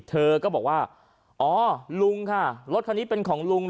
เธอก็บอกว่าอ๋อลุงค่ะรถคันนี้เป็นของลุง